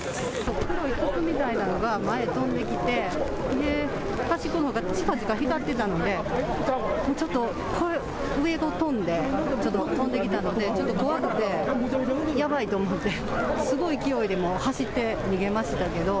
筒みたいなのが前に飛んできてちかちか光ってたので、ちょっと上を飛んで飛んできたのでちょっと怖くてやばいと思ってすごい勢いで走って逃げましたけど。